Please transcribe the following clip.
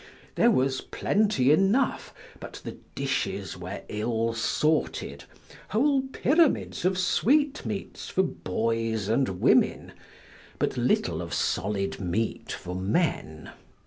There was plenty enough, but the dishes were ill sorted, whole pyramids of sweetmeats for boys and women, but little of solid meat for men.